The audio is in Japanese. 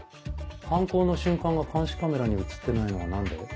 犯行の瞬間が監視カメラに写ってないのは何で？